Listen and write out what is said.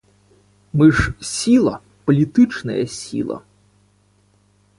Мы ж сіла, палітычная сіла.